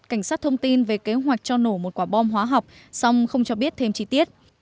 cảnh sát thông tin về kế hoạch cho nổ một quả bom hóa học song không cho biết thêm chi tiết